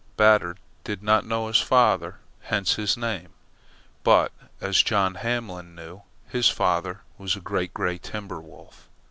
Batard did not know his father hence his name but, as John Hamlin knew, his father was a great grey timber wolf.